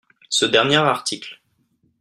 Ce dernier article.